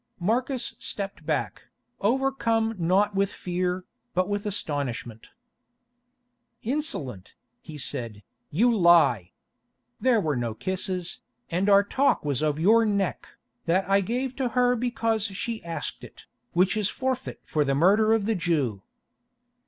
Marcus stepped back, overcome not with fear, but with astonishment. "Insolent," he said, "you lie! There were no kisses, and our talk was of your neck, that I gave to her because she asked it, which is forfeit for the murder of the Jew."